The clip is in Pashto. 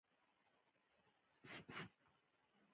ورور تل له تا سره ولاړ وي.